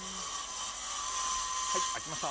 はい、開きました。